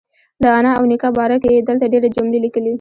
د انا او نیکه باره کې یې دلته ډېرې جملې لیکلي.